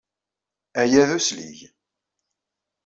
Aya d uslig.